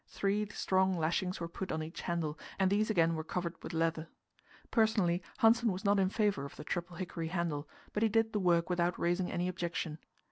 Three strong lashings were put on each handle, and these again were covered with leather. Personally, Hanssen was not in favour of the triple hickory handle, but he did the work without raising any objection.